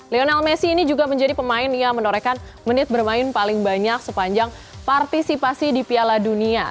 lionel messi ini juga menjadi pemain yang menorehkan menit bermain paling banyak sepanjang partisipasi di piala dunia